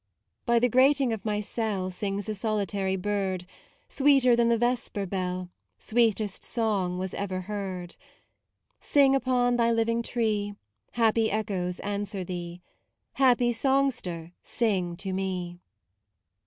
By the grating of my cell Sings a solitary bird : Sweeter than the vesper befl, Sweetest song was ever heard.* Sing upon thy living tree : Happy echoes answer thee, Happy songster, sing to me.